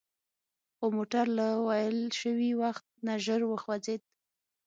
خو موټر له ویل شوي وخت نه ژر وخوځید.